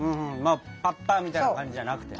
パッパみたいな感じじゃなくてね。